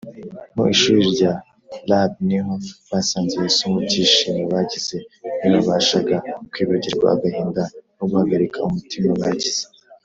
Mu ishuri rya ba Rabbi niho basanze Yesu. Mu byishimo bagize, ntibabashaga kwibagirwa agahinda no guhagarika umutima bagize